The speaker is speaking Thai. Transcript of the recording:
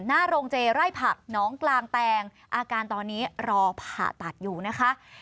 หน้าโรงเจไร่ผักน้องกลางแตงอาการตอนนี้รอผ่าตัดอยู่นะคะ